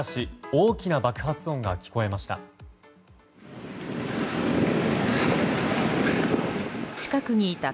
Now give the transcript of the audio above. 大きな爆発音が聞こえました。